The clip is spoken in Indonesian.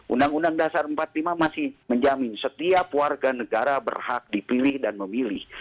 undang undang dasar empat puluh lima masih menjamin setiap warga negara berhak dipilih dan memilih